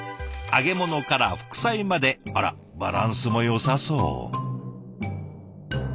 揚げ物から副菜まであらバランスもよさそう。